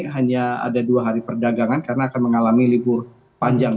hanya ada dua hari perdagangan karena akan mengalami libur panjang